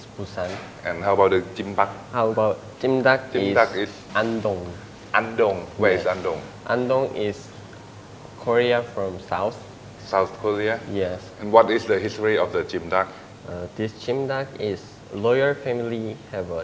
คุณเมซันสวัสดีครับ